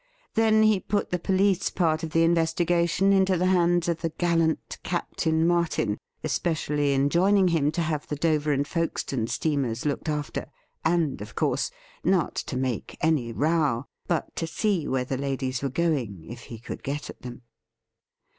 Then he put the police part of the investigation into the hands of the gallant Captain Martin, especially enjoining him to have the Dover and Folkestone steamers looked after, and, of course, not to make any row, but to see where the ladies were going, if he could get at them.